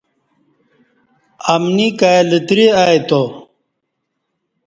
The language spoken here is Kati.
امنی کائی لتری ائی تا۔